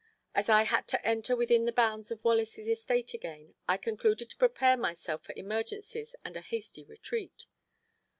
As I had to enter within the bounds of Wallace's estate again, I concluded to prepare myself for emergencies and a hasty retreat.